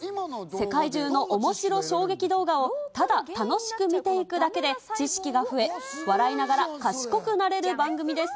世界中のおもしろ衝撃動画をただ楽しく見ていくだけで知識が増え、笑いながら賢くなれる番組です。